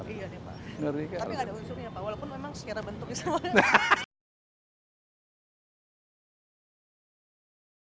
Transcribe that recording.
terima kasih pak